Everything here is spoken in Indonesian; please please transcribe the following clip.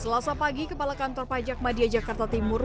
selasa pagi kepala kantor pajak madia jakarta timur